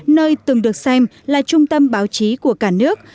nơi từng được xem là trung tâm báo chí của cả nước